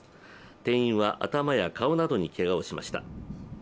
店員は頭や顔などにけがをしました。